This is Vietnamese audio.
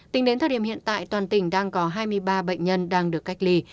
tính đến thời điểm hiện tại toàn tỉnh đang có hai mươi ba bệnh nhân đang được cách ly